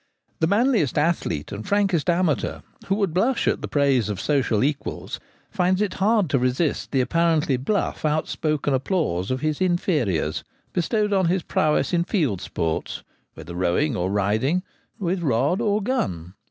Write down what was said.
The manliest athlete and frankest amateur — who would blush at the praise of social equals — finds it hard to resist the apparently bluff outspoken applause of his inferiors bestowed on his prowess in field sports, whether rowing or riding, with rod or gun.